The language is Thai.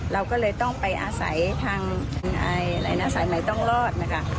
เราก็เลยต้องไปอาศัยทางสายใหม่ต้องรอดนะคะ